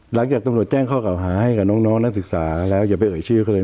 หลังจากตำรวจแจ้งข้อเก่าหาให้กับน้องนักศึกษาแล้วอย่าไปเอ่ยชื่อเขาเลย